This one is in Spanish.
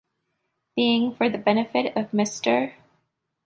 Being for the Benefit of Mr.